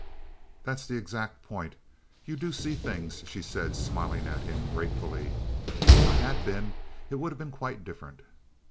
"That's the exact point. You do see things," she said, smiling at him gratefully. "If I had been, it would have been quite different."